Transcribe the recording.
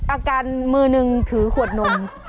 อาการมือหนึ่งถือขวดนม